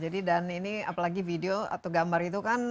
dan ini apalagi video atau gambar itu kan